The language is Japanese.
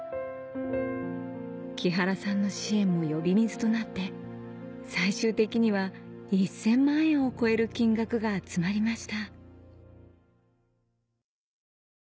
木原さんの支援も呼び水となって最終的には１０００万円を超える金額が集まりました